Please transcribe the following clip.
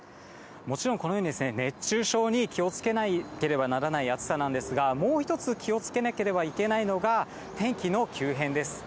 もちろん、このように熱中症に気をつけなければならない暑さなんですが、もう一つ気をつけなければいけないのが、天気の急変です。